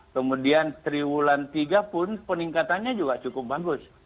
kemudian triwulan tiga pun peningkatannya juga cukup bagus